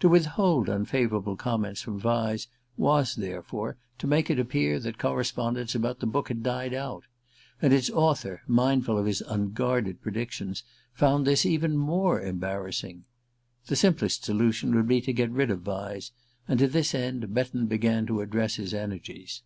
To withhold unfavourable comments from Vyse was, therefore, to make it appear that correspondence about the book had died out; and its author, mindful of his unguarded predictions, found this even more embarrassing. The simplest solution would be to get rid of Vyse; and to this end Betton began to address his energies.